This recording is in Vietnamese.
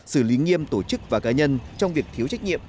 xử lý nghiêm tổ chức và cá nhân trong việc thiếu trách nhiệm